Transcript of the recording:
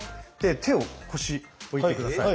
手を腰に置いて下さい。